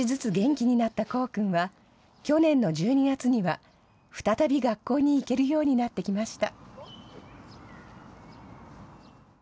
少しずつ元気になった功君は去年の１２月には、再び学校に行けるようになってきました。